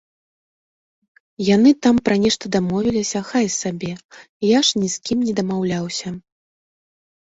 Яны там пра нешта дамовіліся, хай сабе, я ж ні з кім не дамаўляўся.